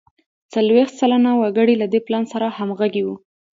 څلوېښت سلنه وګړي له دې پلان سره همغږي وو.